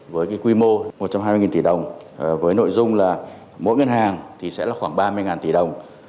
với cái quy mô một trăm hai mươi tỷ đồng với nội dung là mỗi ngân hàng thì sẽ là khoảng ba mươi tỷ đồng